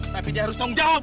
tapi dia harus tanggung jawab